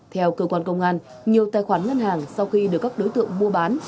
theo cơ quan công an nhiều tài khoản ngân hàng sau khi được các đối tượng mua bán